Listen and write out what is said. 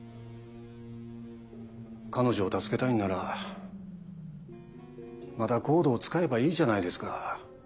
彼女を助けたいんならまたＣＯＤＥを使えばいいじゃないですか。